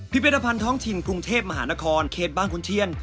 พิพิธภัณฑ์ท้องถิ่นกรุงเทพมหานครเขตบางขุนเทียน